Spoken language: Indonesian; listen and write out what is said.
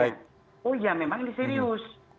oh ya memang ini serius